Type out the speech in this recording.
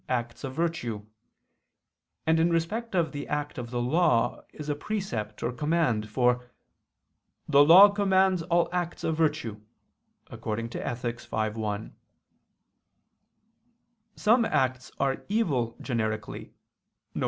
acts of virtue; and in respect of these the act of the law is a precept or command, for "the law commands all acts of virtue" (Ethic. v, 1). Some acts are evil generically, viz.